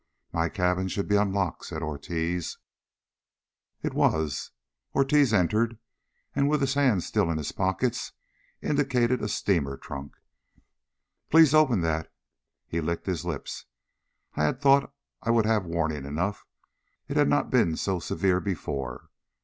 "My cabin should be unlocked," said Ortiz. It was. Ortiz entered, and, with his hands still in his pockets, indicated a steamer trunk. "Please open that." He licked his lips. "I I had thought I would have warning enough. It has not been so severe before.